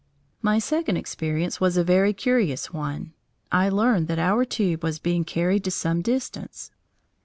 My second experience was a very curious one. I learned that our tube was being carried to some distance.